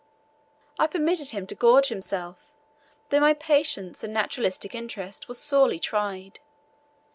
I permitted him to gorge himself, though my patience and naturalistic interest were sorely tried.